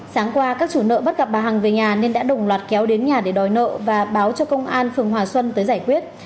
sáng qua các chủ nợ bắt gặp bà hằng về nhà nên đã đồng loạt kéo đến nhà để đòi nợ và báo cho công an phường hòa xuân tới giải quyết